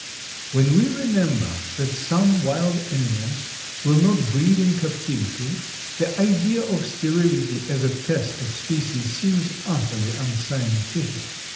When we remember that some wild animals will not breed in captivity, the idea of sterility as a test of species seems utterly unscientific.